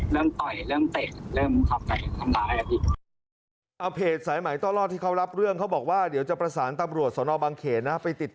เริ่มต่อยเริ่มเต่นเริ่มคำแทนทำร้ายนะครับพี่